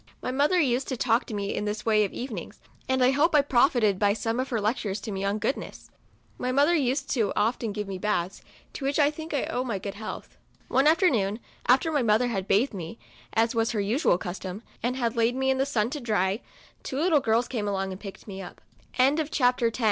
My mother used to talk to me in this way of evenings, and I hope I profited by some of her lec tures to me on goodness. My mother COUNTRY DOLL. 45 used often to give me baths, to which I think I owe my good health. One after noon, after my mother had bathed me, as was her usual custom, and had laid me in the sun to dry, two little girls came alo